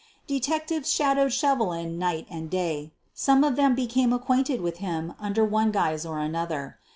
Detectives shadowed Shevelin night and day. Some of them became acquainted with him under one guise or another.